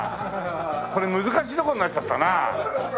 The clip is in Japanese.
これ難しいとこになっちゃったな。